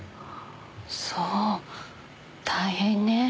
そう大変ね。